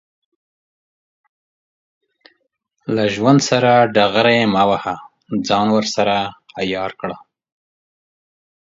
له ژوند سره ډغرې مه وهه، ځان ورسره عیار کړه.